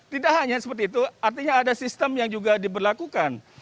tidak hanya seperti itu artinya ada sistem yang juga diberlakukan